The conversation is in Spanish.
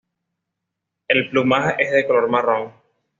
El plumaje es de color marrón.